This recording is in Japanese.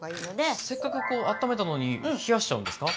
せっかくこうあっためたのに冷やしちゃうんですか？